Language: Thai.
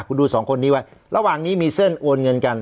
คุณดูสองคนนี้ไว้ระหว่างนี้มีเส้นโอนเงินกัน